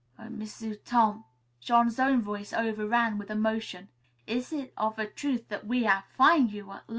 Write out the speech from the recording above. "Oh, M'sieu' Tom," Jean's own voice overran with emotion, "is it of a truth that we hav' fin' you at las'?"